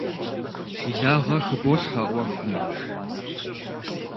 Хьилагъэ хыболъхьэ Ӏуэхум!